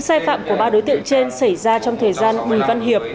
vi phạm của ba đối tượng trên xảy ra trong thời gian vì văn hiệp